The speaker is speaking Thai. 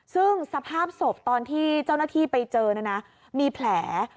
ซึ่งสภาพศพตอนที่เจ้าหน้าที่ไปเจอนะนะมีแผล